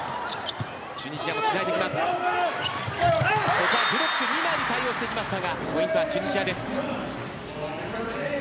ここはブロック２枚で対応しましたがポイントはチュニジアです。